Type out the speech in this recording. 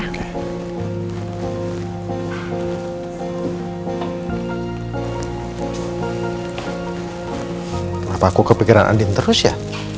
kenapa aku kepikiran andin terus ya